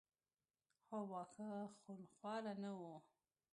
خو واښه خونخواره نه وو.